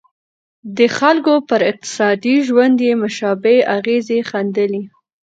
د خلکو پر اقتصادي ژوند یې مشابه اغېزې ښندلې.